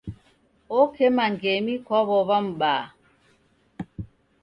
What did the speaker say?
Okema ngemi kwa w'ow'a m'baa.